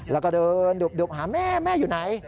แล้วก็เดินดุบหาแม่แม่อยู่ไหน